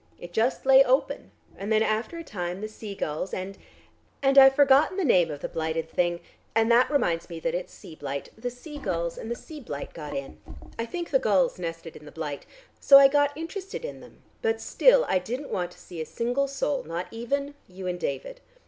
It just lay open, and then after a time the sea gulls and and I've forgotten the name of the blighted thing, and that reminds me that it's sea blite the sea gulls and the sea blite got in; I think the gulls nested in the blite. So I got interested in them, but still I didn't want to see a single soul, not even you and David.